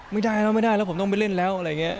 ไม่ได้แล้วไม่ได้แล้วผมต้องไปเล่นแล้วอะไรอย่างนี้